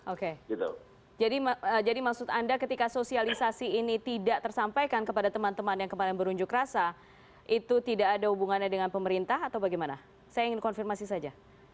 oke jadi maksud anda ketika sosialisasi ini tidak tersampaikan kepada teman teman yang kemarin berunjuk rasa itu tidak ada hubungannya dengan pemerintah atau bagaimana saya ingin konfirmasi saja